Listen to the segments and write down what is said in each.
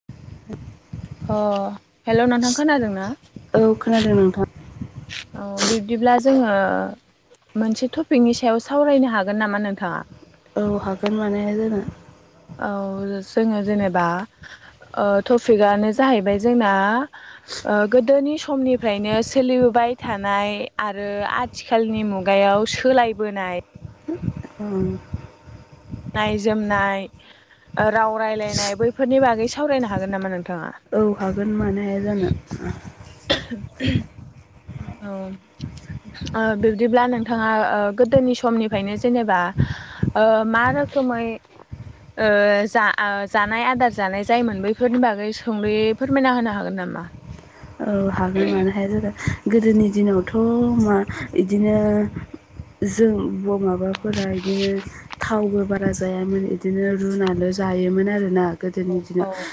[unintelligible] अ hello नोंथां खोनादोंना? औ खोनादों नोंथां औ बिब्दिब्ला जोङो मोनसे थफिकनि सायाव सावरायनो हागोन नामा नोंथाङा? औ हागोन मानो हाया जानो। औ जो-जोङो जेनेबा ओ थफिकआनो जाहैबाय जोंना ओ गोदोनि समनिफ्रायनो सोलिबोबाय थानाय आरो आ थिखालनि मुगायाव सोलायबोनाय [unintelligible] नाय जोमनाय ओ राव रायलायनाय बैफोरनि बागै सावरायनो हागोन नामा नोंथाङा? औ हागोन मानो हाया जानो। [unintelligible] औ ओ बिब्दिब्ला नोंथाङा ओ गोदोनि समनिफ्रायनो जेनेबा ओ मा रोखोमै ओ जा ओ जानाय आदार जानाय जायोमोन बैफोरनि बागै सुंदयै फोरमायना होनो हागोन नामा? औ हागोन मानो हाया जानो गोदोनि दिनावथ' मा इदिनो जों ब माबाफोरा इदिनो थावबो बारा जायामोन इदिनो रुनाल' जायोमोन आरोना। गोदोनि औ दिनाव औ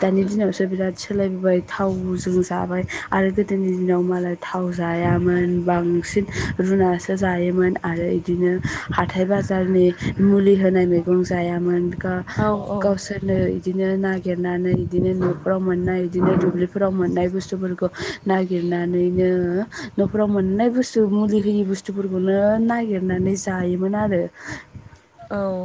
दानि दिनावसो बिराद सोलायबोबाय थाव बुज जों जाबाय आरो गोदोनि दिनाव मालाय थाव जायामोन बांसिन रुनासो जायोमोन आरो इदिनो हाथाय बाजारनि मुलि होनाय मैगं जायामोन गा औ गावसोर नो इदिनो नागिरनानै इदिनो न'फ्राव मोननाय इदिनो दुब्लिफोराव मोननाय बुुस्तुफोरखौ नागिरनानैनो न'फोराव मोननाय बुुस्तु मुलि होयि बुस स्थुफोरखौनो नागिरनानै जायोमोन आरो। [inaudible]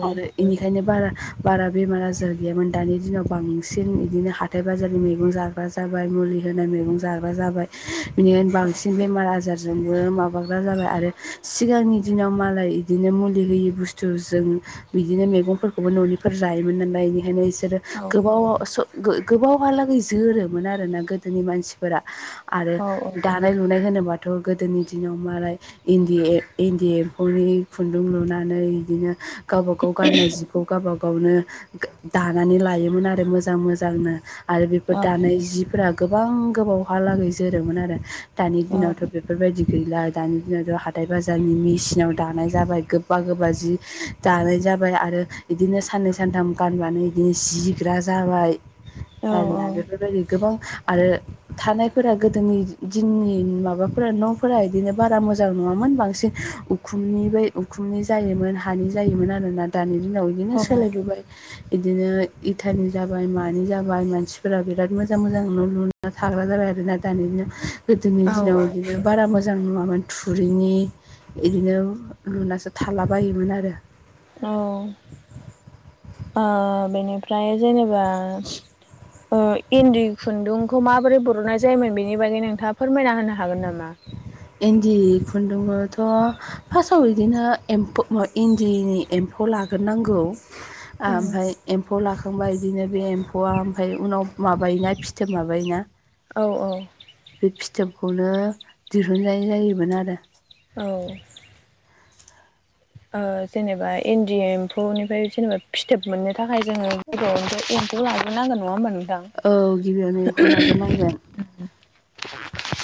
आरो इनिखायनो बारा बारा बेमार आजार गैयामोन दानि दिनाव बांसिन इदिनो हा थाय बाजारनि मैगं जाग्रा जा बाय मुलि होनाय मैगं जाग्रा जाबाय बिनिखायनो बांसिन बेमार आजार जोंबो माबाग्रा जाबाय आरो सिगांनि दिनाव मालाय इदिनो मुलि होयि बुस्तुजों बिदिनो मेगंफोरखौबो न'निफोर जायोमोन नालाय इनिखायनो इसोरो औ गोबाव अ स गो-गोबावहालागै जोरोमोन आरोना गोदोनि मानसिफोरा। आरो दानाय लुनाय होनोबाथ' गोदोनि दिनाव मालाय इन्दि ए इन्दि एम्फौनि खुन्दुं लुनानै इदिनो गावबा गाव गाननाय जिखौ गावबा गावनो गा दानानै लायोमोन आरो मोजां मोजांनो। आरो बेफोर औ दानाय जिफोरा गोबां गोबावहालागै जोरोमोन आरो दानि दिनावथ' बेफोरबायदि गैला दानि दिनावथ' हाथाय बाजारनि मेसिनाव दानाय जाबाय गोबा गोबा जि दानाय जाबाय आरो बिदिनो साननै सानथाम गानबानो बिदिनो जिग्रा जाबाय ' आरोना बेफोर बायदि। गोबां आरो थानायफोरा गोदोनि दिननि माबाफोर न ' फोरा बिदिनो बारा मोजां नङामोन बांसिन उखुमनि बे उखुमनि जायोमोन हानि जायोमोन आरोना। दानि दिनाव बिदिनो औ सोलायबोबाय बिदिनो इतानि जाबाय मानि जाबाय मानसिफोरा बिराद मो जां मोजां न' लुना थाग्रा जाबाय आरोना दानि दिनाव गोदोनि औ दिनाव बारा मोजां नङामोन थुरिनि बिदिनो लुनासो थालाबायोमोन आरो। औ अ बेनिफ्राय ओमफ्राय जेनेबा ओ इन्दि खुन्दुं खौ माबोरै बरनाय जायोमोन बेनि बागै नोंथाङा फोरमायना होनो हागोन नामा? इन्दि खुन्दुंखौथ' फार्स्टआव बिदिनो एम्फौ इन्दिनि एम्फौ लाग्रोनांगौ। ओमफ्राय एम्फौ लाखांबा बिदिनो बे एम्फौआ ओमफ्राय उनाव माबायोना फिथोब माबायोना औ अ। बे फिथोबखौनो दिहुननाय जायोमोन आरो। औ ओ जेनेबा इन्दि एम्फौनिफ्राय जोङो फिथोब मोनो थाखाय जोङो गिबियावनो एम्फौ लाग्रोनांगोन नङा होमबा नोंथां। औ गिबियावनो एम्फौ लाग्रोनांगोन।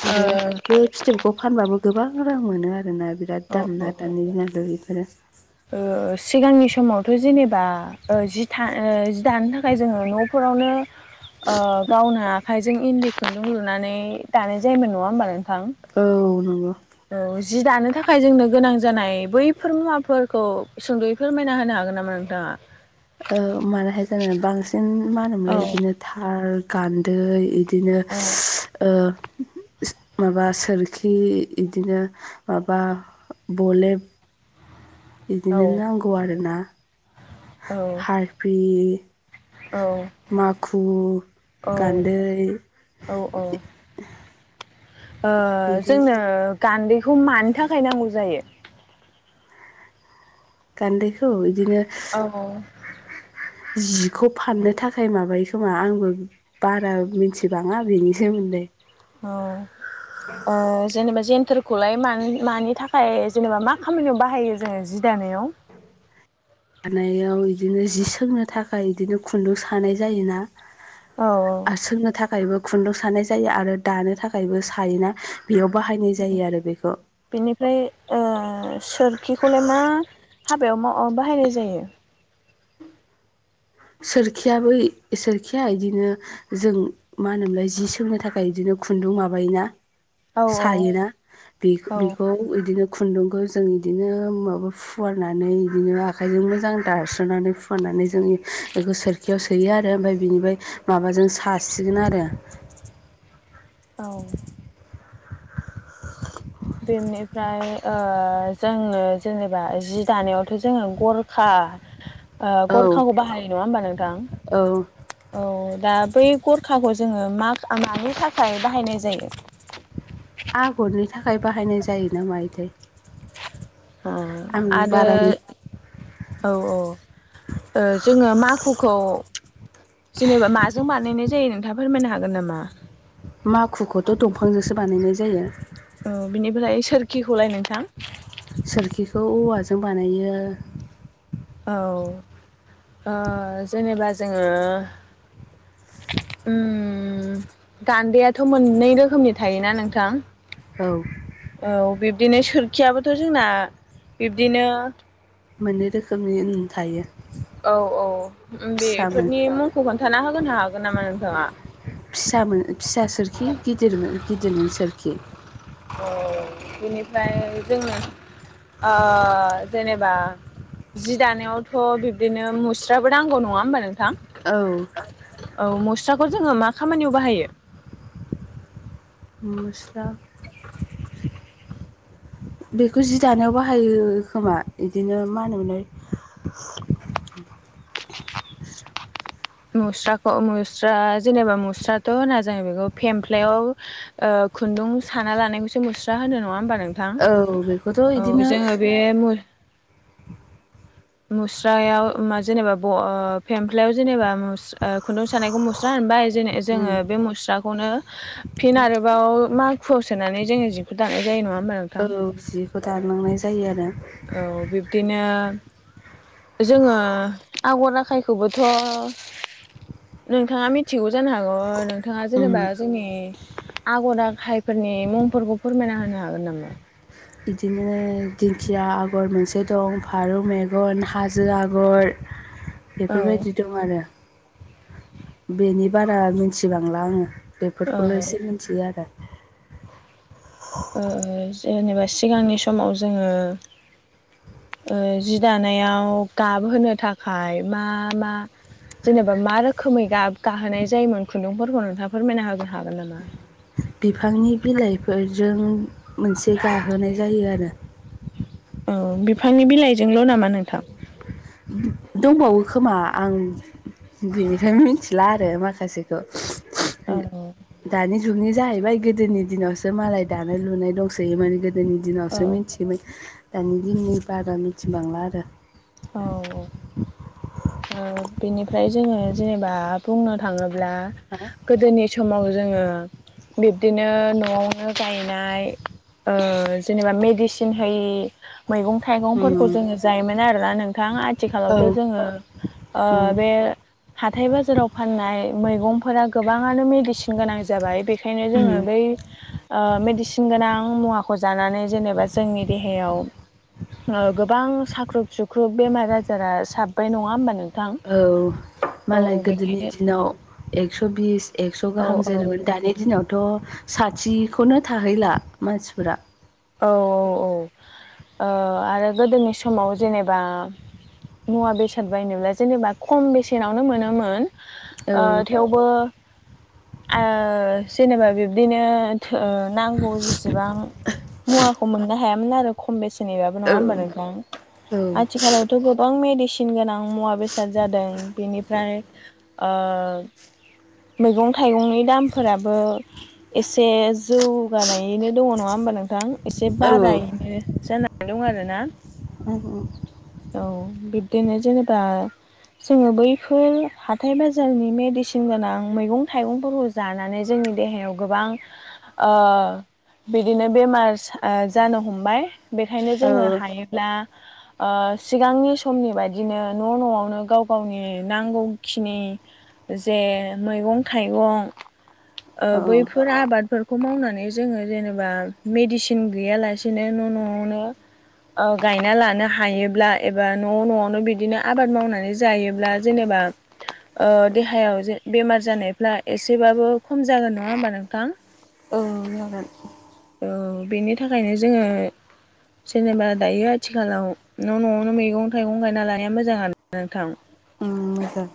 आरो ओ बे फिथोबखौ फानबाबो गोबां रां मोनो आरोना बिराद औ दाम औ ना दानि दिनावथ बेफोरो। सिगांनि समावथ' जेनेबा ओ जि था ओ जि दानो थाखाय जोङो न'फोरावनो गावनो आखाइजों इन्दि खुन्दुं लुनानै दानाय जायोमोन नङा होमबा नों थां औ नंगौ औ जि दानो थाखाय जोंनो गोनां जानाय बैफोर मुवाफोर खौ सुंद'यै फोरमायना होनो हागोन नामा नोंथाङा? औ मानो हाया जानो। बांसिन मा औ होनोमोनलाय बिदिनो खाल गान्दै बिदिनो औ ओ माबा सोरखि बिदिनो माबा बुलेब औ बिदिनो नांगौ आरोना औ हारफि माखु गान्दै औ औ औ बिदि जोंनो गान्दैखौ मानि थाखाय नांगौ जायो? गान्दैखौ बिदिनो औ। जिखौ फाननो थाखाय माबायो खोमा आंबो बारा मिथिबाङा बेनि सोमोन्दै औ। अ जेनेबा जेनथोरखौलाय मानि थाखाय जेनेबा मा खामानियाव बाहायो? ओ जि दानायाव जि दानायाव बिदिनो जि सोंनो थाखाय बिदिनो खुन्दुं सानाय जायोना? औ औ। सोंनो थाखायबो खुन्दुं सानाय जायो आरो दानो थाखायबो सायोना बेयाव बाहायनाय जायो आरो बेखौ बिनिफ्राय सोरखिखौलाय मा हाबायाव बाहायनाय जायो? सोरखियाबो सोरखिया बिदिनो जों मा होनोमोनलाय जि सोंनो थाखाय बिदिनो खुन्दुं माबायोना। औ सायोना औ बि-बिखौ बिदिनो खुन्दुंखौ जों इदिनो माबा फुवारनानै बिदिनो आखाइजों मोजां दास्रोनानै फुवारनानै जोंनि बेखौ सोरखियाव सोयो आरो ओमफाय बिनिफाय माबाजों सासिगोन आरो औ बेनिफ्राय ओ जोङो जेनेबा जि दानायावथ' जोङो गरखा ओ औ गरखाांखौ बाहायो नङा होबा नोंथां औ औ दा बै गरखाखौ जोङो मा-मानि थाखाय बाहायनाय जायो आगरनि थाखाय बाहायनाय जायोना मायोथाय ओ आं आरो बारा औ औ ओ जोङो माखुखौ जेनेबा माजों बानायनाय जायो नोंथाङा फोरमायनो हागोन नामा माखुखौथ' दंफांजोंसो बानायनाय जायो औ बिनिफ्राय सोरखिखौलाय नोंथां सोरखिखौ औवाजों बानायो औ ओ जेनेबा जोङो उम गान्दैयाथ' मोननै रोखोमनि थायोना नोंथां औ औ बिब्दिनो सोरखियाबोथ' जोंना बिब्दिनो मोननै रोखोमनि उम थायो औ औ फिसामोन उमबेफोरनि मुंखौ खोन्थाना होगोनो हागोन नामा नोंथाङा फिसा मोन फिसा सोरखि गिदिर मोन गिदिरमोन सोरखि औ बिनिफ्राय जोङो ओ जेनेबा जि दानायावथ' बिब्दिनो मुस्राबो नांगौ नङा होमबा नोंथां औ। औ मुस्राखौ जोङो मा खामानियाव बाहायो? मुस्रा बेखौ जि दानायाव बाहायो खोमा बिदिनो मा होनोमोनलाय मुस्राखौ मुस्रा जेनेबा मुस्रााथ' होनना जों बेखौ फेमफ्लायाव ओ खुन्दुं साना लानायखौसो मुस्रा होनो नङा होमबा नों थां बेखौथ' औ इदिनो जोङो बे मु मुस्रायाव मा जेनेबा ब ओ फेमफ्लायाव जेनेबा मुस ओ खुन्दुं सानायखौ मुस्रा होनबाय उम जे-जोंङो बे मुस्राखौनो फिन आरोबाव माखुवाव सोनानै जोङो जिखौ दानाय जायो नंङा होमबा? औ नोंथां जिखौ दानांनाय जायो आरो। औ बिब्दिनो जोङो आगरना खाय खौबोथ' नोंथाङा मिथिगौ जानो हागौ नोंथाङा उम जेनेबा जोंनि आगर आखायफोरनि मुंफोरखौ फोरमायना होनो हागोन नामा? बिदिनो दिंखिया आगर मोनसे दं फारौ मेगन हाजो आगर [inaudible] बेफोरबायदि दं आरो बेनि बारा मिथिबांला आंङो। बेफोरखौल' औ एसे मिथियो आरो। ओ जेनेबा सिगांनि समाव जोङो ओ जि दानायाव गाबहोनो थाखाय मा मा जेनेबा मा रोखोमै गा-गाहोनाय जायोमोन खुन्दुंफोरखौ नोंथाङा फोरमायना हाग हागोन नामा बिफांनि बिलाइफोरजों मोनसे गाहोनाय जायो आरो। औ बिफांनि बिलाइजोंल' नामा नोंथां। दंबावो खोमा आं बिनिफ्रायनो मिथिला आरो माखासे द' औ [unintelligible] दानि जुगनि जाहैबाय गोदोनि दिनावसो मालाय दानाय लुनाय दंसोयोमोन गोदोनि औ दिनावसो मिथियोमोन दानि दिननि बारा मिथिबांला आरो। औ औ। बेनिफ्राय जोङो जेनेबा बुंनो थाङोब्ला हा गोदोनि समाव जोङो बिब्दिनो न'आवनो गायनाय जेनेबा मेडिसिन होयि मैगं थाइगंफोरखौ उम जोङो जायोमोन आरोना नोंथां औ आथिखालावथ' जोङो ओ उम बे हाथाय बाजाराव फाननाय मैगंफोरा गोबाङानो मेडिसिन गोनां जाबाय बेख बेखायनो उम जोङो बै मेडिसिन गोनां मुवा जानानै जेनेबा जोंनि देहायाव गोबां साख्रुुब सुक्रुब ग्रुुब बेमार आजारा साब्बाय नङा होमबा नों औ। मालाय गोदोनि दिनाव एकस' बिस एक्स' औ गाहाम जोरोमोन औ दानि दिनाव थ' साथिखौनो थाहैला मानसिफोरा औ औ औ आरो गोदोनि समाव जेनेबा मुवा बेसाद बायनोब्ला जेनेबा खम बेसेनावनो मोनोमोन। औ ओ थेवबो जेनेबा बिब्दिनो नांगौ जेसेबां मुवाखौ मोननो हायामोन आरो खम बेसेनबाबो नङा होमबा औ नोंथां औ आथिखालाव थ' गोबां मेडिसिन गोनां मुवा बेसाद जादों बेनिफ्राय मैगं थाइगंनि दामफोराबो एसे जौगानायैनो दङ नङा होमबा नोंथां। एसे औ बारायनो जानानै दं आरो ना। औ औ। औ बिब्दिनो जेनेबा जोङो बैफोर हाथाइ बाजारनि मेडिसिन गोनां मैगं थाइगंफोरखौ जानानै जोंनि देहायाव गोबां बिदिनो बेमार जानो हमबाय बेखायनो जोङो हायोब्ला सिगांनि समनि बायदिनो न' न'आवनो गाव गावनि नांगौखिनि जे मैगं औ थाइगं बैफोर आबादफोरखौ खौ मावनानै जोङो जेनेबा मेडिसिन गैयालासेनो न' न'आवनो ओ गायना लानो हायोब्ला एबा न' न'आवनो बिदिनो आबाद मावनानै जायोब्ला जेनेबा ओ देहायाव जे बेमार जानायफ्ला एसेबाबो खम जागोन नङा होमबा नोंथां औ जागोन औ बेनि थाखायनो जोङो जेनेबा दायो आथिखालाव न' न'आवनो मैगं थाइगं गायना लानाया मोजांनो आरो ना नोंथां उम मोजां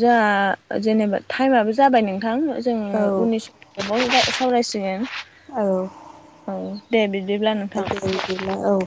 जोंहा जेनेबा टाइमाबो जाबाय नोंथां जोङो औ उननिस साव सावरायसिगोन। औ। औ दे बिदिब्ला नोंथां। दे बिदिब्ला औ।